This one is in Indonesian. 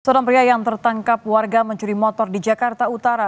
seorang pria yang tertangkap warga mencuri motor di jakarta utara